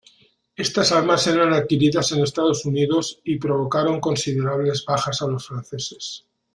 Estas armas eran adquiridas en Estados Unidos, y provocaron considerables bajas a los franceses.